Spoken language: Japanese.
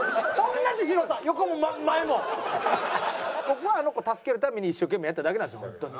僕はあの子助けるために一生懸命やっただけなんですよ。